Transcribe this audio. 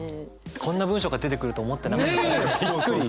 こんな文章が出てくると思ってなかったびっくり。